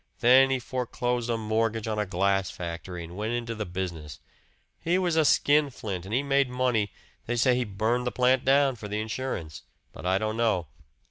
Then he foreclosed a mortgage on a glass factory and went into the business. He was a skinflint, and he made money they say he burned the plant down for the insurance, but I don't know.